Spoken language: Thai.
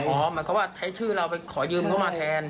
เหมือนกับว่าใช้ชื่อเราไปขอยืมเข้ามาแทน